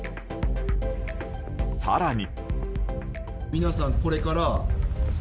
更に。